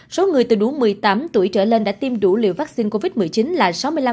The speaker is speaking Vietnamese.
số người từ đủ một mươi tám tuổi trở lên đã tiêm đủ liều vaccine covid một mươi chín là sáu mươi năm